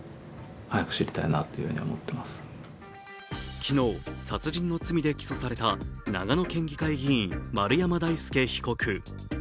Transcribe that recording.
昨日、殺人の罪で起訴された長野県議会議員、丸山大輔被告。